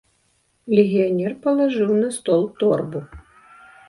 Легіянер палажыў на стол торбу.